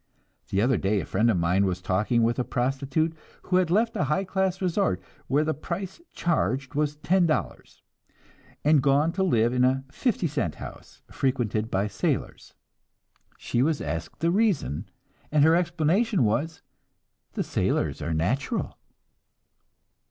The other day a friend of mine was talking with a prostitute who had left a high class resort, where the price charged was ten dollars, and gone to live in a "fifty cent house," frequented by sailors. She was asked the reason, and her explanation was, "The sailors are natural."